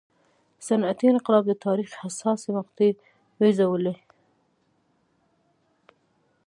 صنعتي انقلاب د تاریخ حساسې مقطعې وزېږولې.